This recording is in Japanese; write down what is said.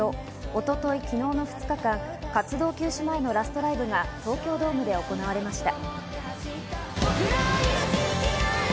一昨日、昨日の２日間、活動休止前のラストライブが東京ドームで行われました。